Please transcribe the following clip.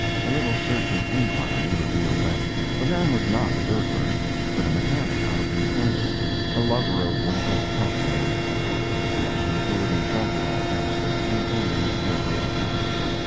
A little searching inquiry revealed that the man was not a burglar, but a mechanic out of employment, a lover of one of the house maids, who had given him food and shelter on the premises, intending no real harm.